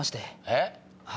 えっ？